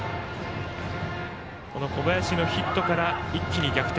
この小林のヒットから一気に逆転。